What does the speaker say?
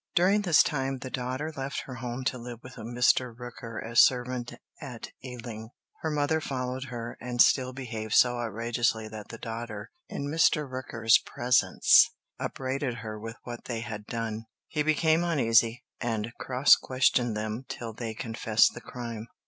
During this time the daughter left her home to live with a Mr. Rooker as servant at Ealing. Her mother followed her, and still behaved so outrageously that the daughter, in Mr. Rooker's presence, upbraided her with what they had done. He became uneasy, and cross questioned them till they confessed the crime.